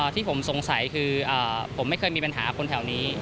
ที่ผมสงสัยคือผมไม่เคยมีปัญหาคนแถวนี้